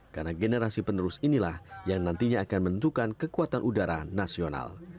karena generasi penerus inilah yang nantinya akan menentukan kekuatan udara nasional